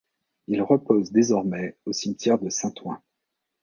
Il repose désormais au cimetière de Saint-Ouen.